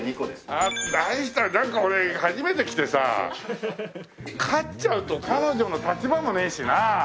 あっ大したなんか俺初めて来てさ勝っちゃうと彼女の立場もねえしな。